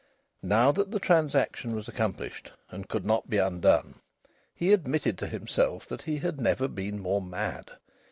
Now that the transaction was accomplished and could not be undone, he admitted to himself that he had never been more mad.